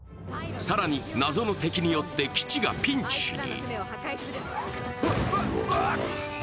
更に謎の敵によって基地がピンチに。